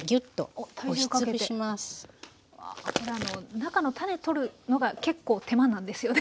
中の種取るのが結構手間なんですよね。